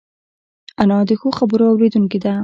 انا د ښو خبرو اورېدونکې ده